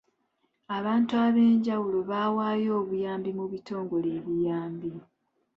Abantu ab'enjawulo bawaayo obuyambi mu bitongole ebiyambi.